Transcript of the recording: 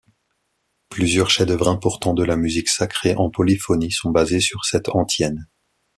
Plusieurs chefs-d'œuvre importants de la musique sacrée en polyphonie sont basées sur cette antienne.